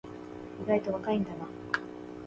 意外と若いんだな